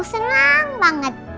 aku seneng banget